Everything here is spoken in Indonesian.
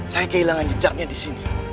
saya kehilangan jejaknya di sini